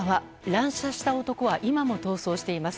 乱射した男は今も逃走しています。